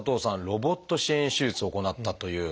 ロボット支援手術を行ったという。